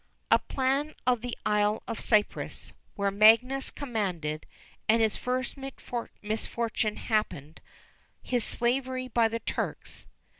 A plan of the Isle of Cyprus, where Magius commanded, and his first misfortune happened, his slavery by the Turks.